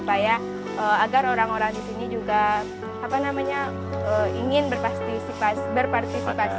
supaya agar orang orang di sini juga ingin berpartisipasi